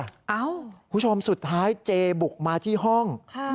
คุณผู้ชมสุดท้ายเจบุกมาที่ห้อง